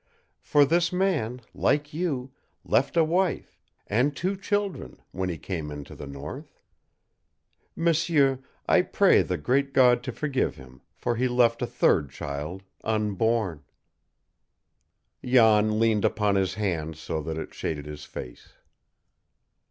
For this man, like you, left a wife and two children when he came into the North. M'sieur, I pray the Great God to forgive him, for he left a third child unborn." Jan leaned upon his hand so that it shaded his face.